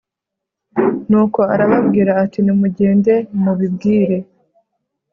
nuko arababwira ati nimugende mubibwire